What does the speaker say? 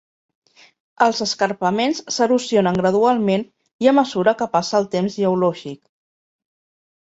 Els escarpaments s'erosionen gradualment i a mesura que passa el temps geològic.